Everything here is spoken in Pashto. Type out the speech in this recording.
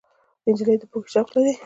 نجلۍ د پوهې شوق لري.